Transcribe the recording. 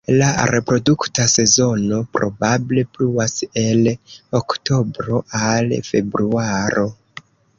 La reprodukta sezono probable pluas el oktobro al februaro.